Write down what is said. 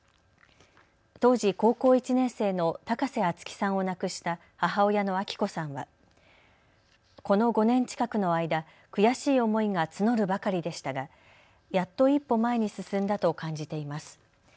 当時高校１年生の高瀬淳生さんを亡くした母親の晶子さんはこの５年近くの間、悔しい思いが募るばかりでしたがやっと一歩前に進んだと感じています。